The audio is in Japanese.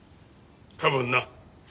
多分な。